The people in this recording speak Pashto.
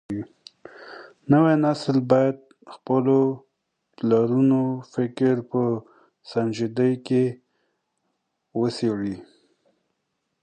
نوی نسل بايد د خپلو پلرونو فکر په سنجيدګۍ وڅېړي.